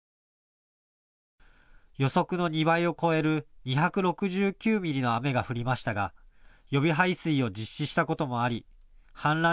予測の２倍を超える２６９ミリの雨が降りましたが予備排水を実施したこともありはん濫